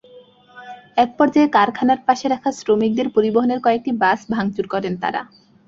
একপর্যায়ে কারখানার পাশে রাখা শ্রমিকদের পরিবহনের কয়েকটি বাস ভাঙচুর করেন তাঁরা।